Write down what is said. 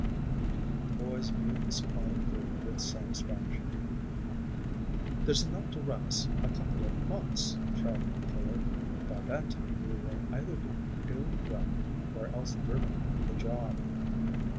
The boys viewed the supply of food with satisfaction. "There's enough to run us a couple of months," Charley declared, "and by that time we will either be doing well or else driven off the job."